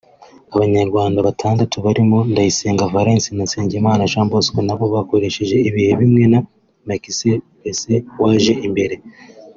Abanyarwanda batandatu barimo Ndayisenga Valens na Nsengimana Jean Bosco nabo bakoresheje ibihe bimwe na Mekseb Debesay waje imbere